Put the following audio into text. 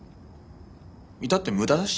いたって無駄だし。